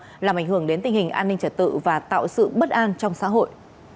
nó làm ảnh hưởng đến tình hình an ninh trở tự và tạo sự bất an trong xã hội